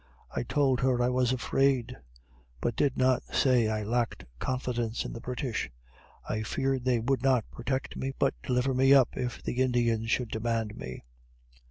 I told her I was afraid; but did not say I lacked confidence in the British. I feared they would not protect me, but deliver me up if the Indians should demand me.